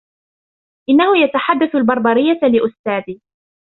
إنهُ يتحدث البربرية لإُستاذي.